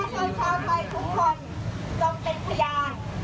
จงเป็นพยาน